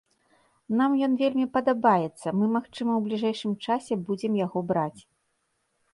Нам ён вельмі падабаецца, мы магчыма ў бліжэйшым часе будзе яго браць.